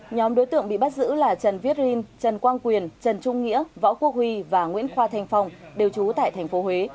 nhóm đối tượng bị bắt giữ là trần viết rin trần quang quyền trần trung nghĩa võ quốc huy và nguyễn khoa thanh phong đều trú tại tp huế